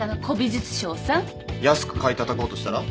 安く買いたたこうとしたら？